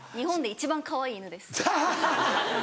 一番かわいいです。